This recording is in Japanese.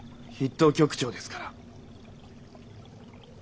筆頭局長ですから。